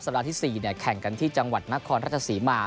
สัปดาห์ที่๔เนี่ยแข่งกันที่จังหวัดนครราชศรีมา